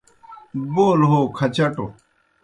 بول ہو کھچٹوْ